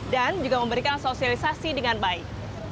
dan juga memberikan sosialisasi dengan baik